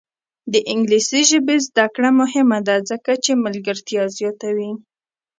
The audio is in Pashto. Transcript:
د انګلیسي ژبې زده کړه مهمه ده ځکه چې ملګرتیا زیاتوي.